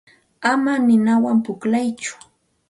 Ama ninawan pukllatsu.